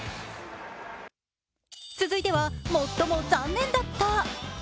続いては最も残念だった。